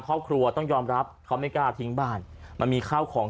ครอบครัวต้องยอมรับเขาไม่กล้าทิ้งบ้านมันมีข้าวของ